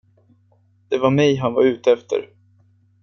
Det var mig han var ute efter.